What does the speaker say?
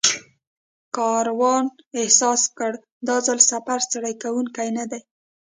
کاروان احساس کړ دا ځل سفر ستړی کوونکی نه دی.